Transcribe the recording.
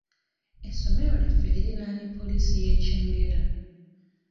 Essomero lyaffe lirinaanye poliisi y'e Kyengera.